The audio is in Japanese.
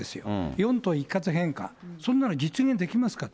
四島一括返還、そんなの実現できますかと。